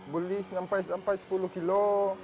boleh sampai sepuluh kilo